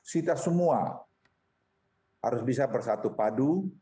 kita semua harus bisa bersatu padu